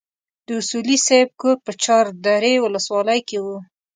د اصولي صیب کور په چار درې ولسوالۍ کې وو.